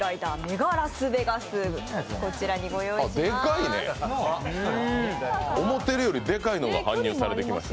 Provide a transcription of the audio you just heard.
こちらにご用意します。